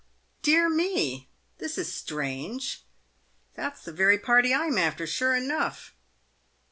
" Dear me ! this is strange. That's the very party I'm after, sure enough."